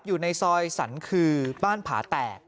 อยู่ในซอยสรรคือบ้านผาแตก